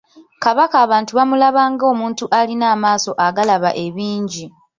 Kabaka abantu bamulaba ng’omuntu alina amaaso agalaba ebingi.